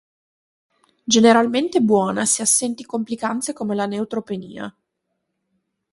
Generalmente buona se assenti complicanze come la neutropenia.